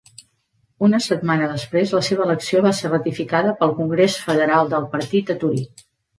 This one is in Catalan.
Una setmana després, la seva elecció va ser ratificada pel congrés federal de el partit a Torí.